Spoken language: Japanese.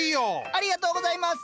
ありがとうございます！